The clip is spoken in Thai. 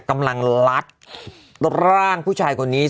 กำลังลัดร่างผู้ชายคนนี้